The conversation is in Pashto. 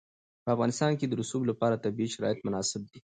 په افغانستان کې د رسوب لپاره طبیعي شرایط مناسب دي.